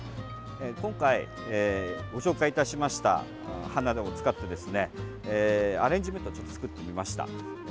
今回ご紹介いたしました花を使ってですねアレンジメントを作ってみました。